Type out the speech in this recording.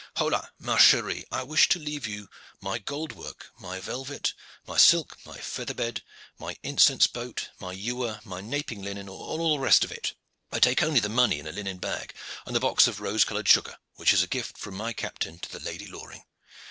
Hola! ma cherie, I wish to leave with you my gold work, my velvet, my silk, my feather bed, my incense boat, my ewer, my naping linen, and all the rest of it. I take only the money in a linen bag, and the box of rose colored sugar which is a gift from my captain to the Lady Loring.